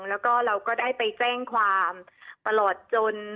แล้วก็เราก็ได้ไปแจ้งความตลอดจน